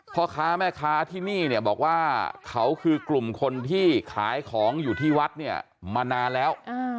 พ่อค้าแม่ค้าที่นี่เนี่ยบอกว่าเขาคือกลุ่มคนที่ขายของอยู่ที่วัดเนี่ยมานานแล้ว